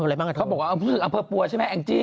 เขาบอกว่าเอาเพื่อปัวใช่ไหมแองจี้